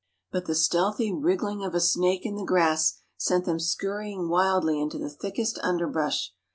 But the stealthy wriggling of a snake in the grass sent them scurrying wildly into the thickest underbrush.